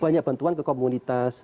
banyak bantuan ke komunitas